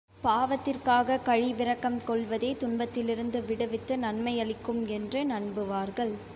பாவத்திற்காகக் கழிவிரக்கம் கொள்வதே துன்பத்திலிருந்து விடுவித்து நன்மையளிக்கும் என்று நம்புவார்கள்.